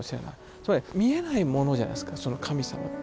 つまり見えないものじゃないすか神様って。